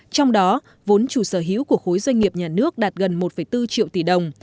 trong đó vốn chủ sở hữu của khối doanh nghiệp nhà nước đạt gần một bốn triệu tỷ đồng